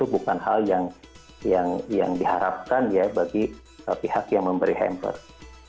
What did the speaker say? bukan hal yang diharapkan ya bagi pihak yang memberi hampers